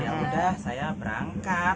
ya udah saya berangkat